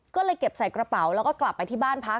ก็เลยเก็บใส่กระเป๋าแล้วก็กลับไปที่บ้านพัก